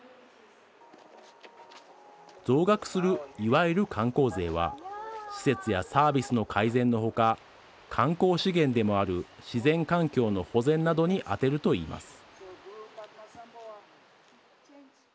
増額する、いわゆる観光税は施設やサービスの改善の他観光資源でもある自然環境の保全などに充てるといいます。